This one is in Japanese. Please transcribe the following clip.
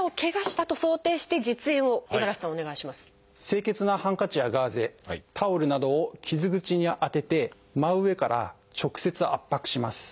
清潔なハンカチやガーゼタオルなどを傷口に当てて真上から直接圧迫します。